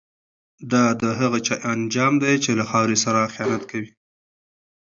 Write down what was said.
دا د هغه چا انجام دی چي له خاوري سره خیانت کوي.